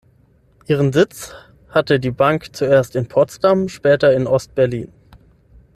Ihren Sitz hatte die Bank zuerst in Potsdam, später in Ost-Berlin.